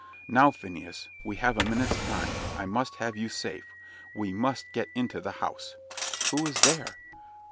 "Now, Phineas, we have a minute's time. I must have you safe we must get into the house." "Who is there?"